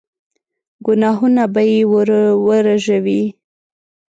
ګناهونه به يې ور ورژوي.